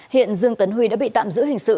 hiện dương tấn huy đã bị tạm giữ hình sự